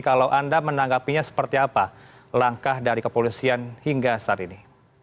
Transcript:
kalau anda menanggapinya seperti apa langkah dari kepolisian hingga saat ini